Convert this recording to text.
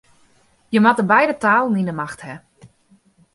Je moatte beide talen yn 'e macht ha.